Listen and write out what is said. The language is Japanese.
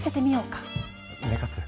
寝かす？